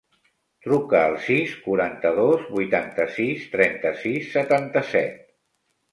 Truca al sis, quaranta-dos, vuitanta-sis, trenta-sis, setanta-set.